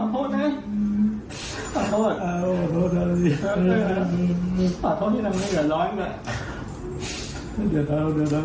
หากจะตายขอตายก่อน